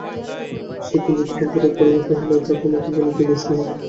সে কিঞ্চিৎ ফাঁপরে পড়িয়া কহিল, তা, তোমাকে বলিতে দোষ নাই।